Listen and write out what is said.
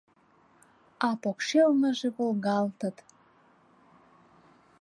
А покшелныже волгалтыт